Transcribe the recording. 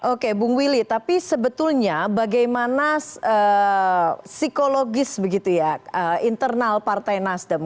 oke bung willy tapi sebetulnya bagaimana psikologis begitu ya internal partai nasdem